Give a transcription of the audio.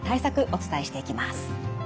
お伝えしていきます。